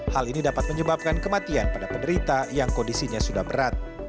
hal ini dapat menyebabkan kematian pada penderita yang kondisinya sudah berat